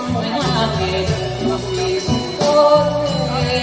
สวัสดีทุกคน